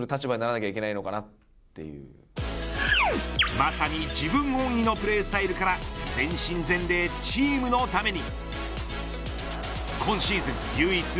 まさに自分本位のプレースタイルから全身全霊チームのために。